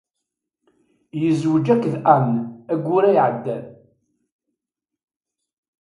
Yezweǧ akked Ann ayyur-a iɛeddan.